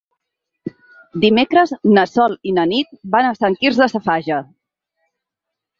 Dimecres na Sol i na Nit van a Sant Quirze Safaja.